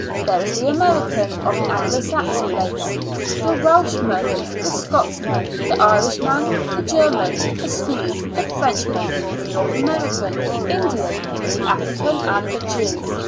There is the American of the Anglo Saxon race, the Welchman, the Scotch man, the Irishman, the German, the Swede, the Frenchman, the North American In dian, the African and the Jew.